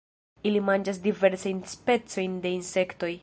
Ili manĝas diversajn specojn de insektoj.